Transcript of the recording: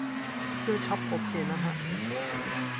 เสื้อช็อปโอเคนะฮะ